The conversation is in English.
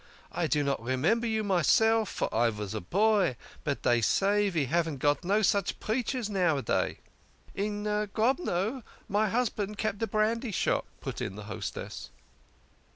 I do not remem ber you myself, for I vas a boy, but dey say ve haven't got no such preachers nowaday." " In Grodno my husband kept a brandy shop," put in the hostess.